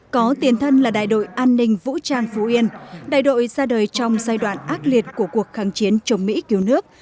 có tiền thân là đại đội an ninh vũ trang phú yên đại đội ra đời trong giai đoạn ác liệt của cuộc kháng chiến chống mỹ cứu nước